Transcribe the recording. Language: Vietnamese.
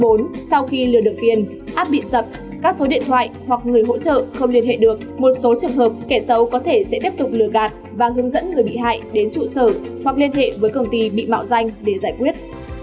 bốn sau khi lừa được tiền app bị sập các số điện thoại hoặc người hỗ trợ không liên hệ được một số trường hợp kẻ xấu có thể sẽ tiếp tục lừa gạt và hướng dẫn người bị hại đến trụ sở hoặc liên hệ với công ty bị mạo danh để giải quyết